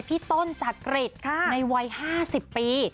พี่ต้นจักริตในวัย๕๐ปี